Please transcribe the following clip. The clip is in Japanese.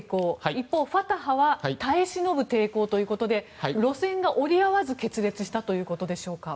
一方、ファタハは耐え忍ぶ抵抗ということで路線が折り合わず決裂したということでしょうか。